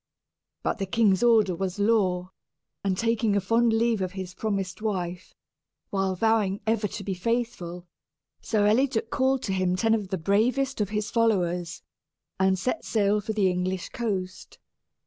But the king's order was law; and, taking a fond leave of his promised wife, while vowing ever to be faithful, Sir Eliduc called to him ten of the bravest of his followers, and set sail for the English coast.